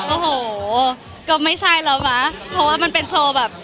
โอ้โหก็ไม่ใช่แล้ววะเพราะว่ามันเป็นโชว์แบบ